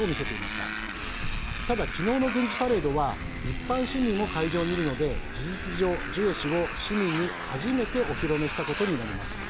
ただ昨日の軍事パレードは一般市民も会場にいるので事実上、ジュエ氏を市民に初めてお披露目したことになります。